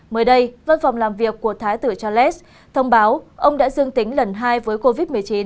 mới đây văn phòng làm việc của thái tử charles thông báo ông đã dương tính lần hai với covid một mươi chín